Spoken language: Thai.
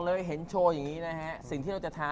เฮ้เฮ้เฮ้ได้นะ